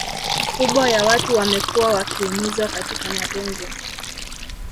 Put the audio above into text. kubwa ya watu wamekua wakiumizwa katika mapenzi